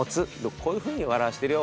こういうふうに笑わせてるよ